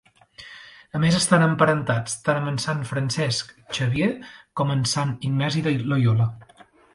A més estan emparentats tant amb Sant Francesc Xavier com amb Sant Ignasi de Loiola.